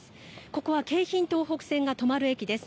ここは京浜東北線が止まる駅です。